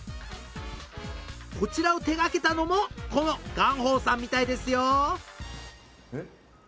こちらを手がけたのもこのガンホーさんみたいですよ